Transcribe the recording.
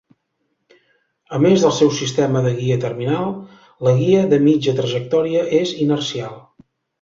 A més del seu sistema de guia terminal, la guia de mitja trajectòria és inercial.